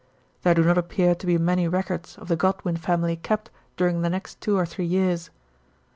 There do not appear to be many records of the Godwin family kept during the next two or three years.